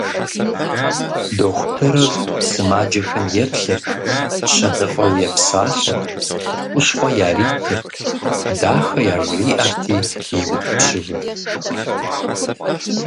Дохутырыр сымаджэхэм еплъырт, щэныфӀэу епсалъэрт, хущхъуэ яритырт, дахэ яжриӀэрти иутӀыпщыжырт.